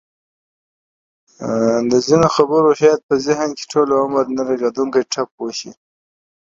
د ځینو خبره شاید په ذهن کې ټوله عمر نه رغېدونکی ټپ شي.